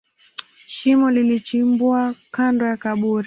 Shimo lilichimbwa kando ya kaburi.